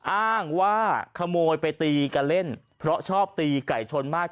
อ้างว่าขโมยไปตีกันเล่นเพราะชอบตีไก่ชนมาก